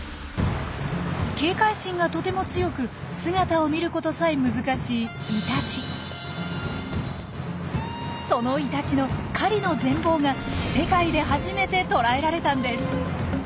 警戒心がとても強く姿を見ることさえ難しいそのイタチの狩りの全貌が世界で初めて捉えられたんです。